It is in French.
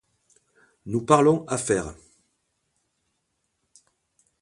Nous parlons affaires.